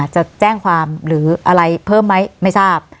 จะแจ้งความหรืออะไรเพิ่มไหมไม่ทราบ